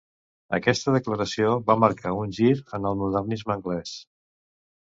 Aquesta declaració va marcar un gir en el modernisme anglès.